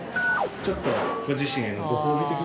ちょっとご自身へのご褒美的な。